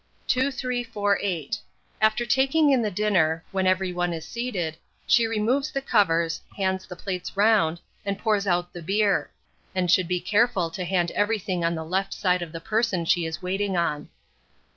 2348. After taking in the dinner, when every one is seated, she removes the covers, hands the plates round, and pours out the beer; and should be careful to hand everything on the left side of the person she is waiting on.